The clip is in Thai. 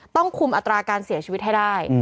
ต้องคุมอัตราการเสียชีวิตให้ได้